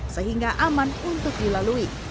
sehingga aman untuk dilalui